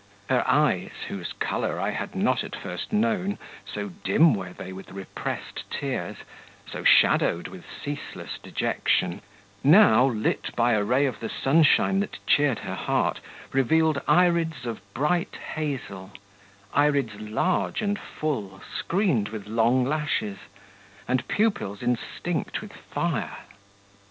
Her eyes, whose colour I had not at first known, so dim were they with repressed tears, so shadowed with ceaseless dejection, now, lit by a ray of the sunshine that cheered her heart, revealed irids of bright hazel irids large and full, screened with long lashes; and pupils instinct with fire.